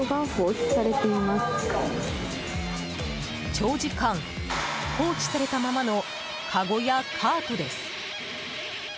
長時間放置されたままのかごやカートです。